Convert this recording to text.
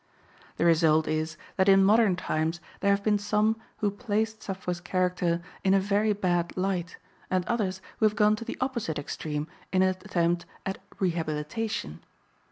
The result is that in modern times there have been some who placed Sappho's character in a very bad light and others who have gone to the opposite extreme in an attempt at "rehabilitation."